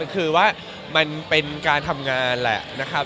คือว่ามันเป็นการทำงานแหละนะครับ